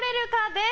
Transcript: です。